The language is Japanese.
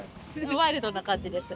ワイルドな感じです。